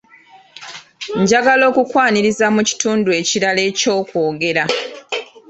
Njagala okukwaniriza mu kitundu ekirala eky’okwogera.